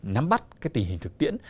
nắm bắt tình hình thực tiễn